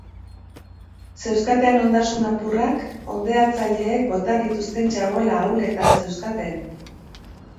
Zeuzkaten ondasun apurrak, hondeatzaileek bota dituzten txabola ahuletan zeuzkaten.